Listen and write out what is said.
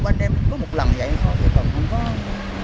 bên em có một lần vậy thôi